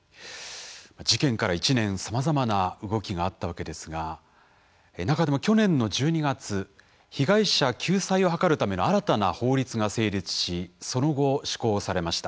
事件から１年、さまざまな動きがあったわけですが中でも去年の１２月被害者救済を図るための新たな法律が成立し、その後、施行されました。